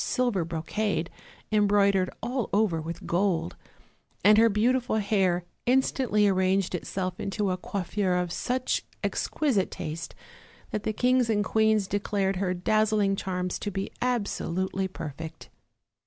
silver brocade, embroidered all over with gold, and her beautiful hair instantly arranged itself into a coiffure of such exquisite taste that the kings and queens declared her dazzling charms to be absolutely perfect.